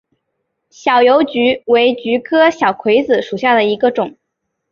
小油菊为菊科小葵子属下的一个种。